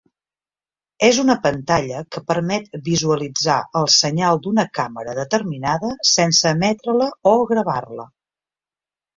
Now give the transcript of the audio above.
És una pantalla que permet visualitzar el senyal d'una càmera determinada sense emetre-la o gravar-la.